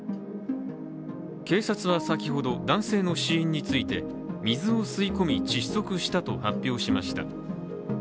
警察は先ほど、男性の死因について水を吸い込み窒息したと発表しました。